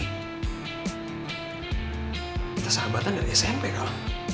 kita sahabatan dari smp kalau